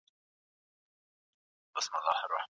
زه له سهاره ښوونځي ته ځم.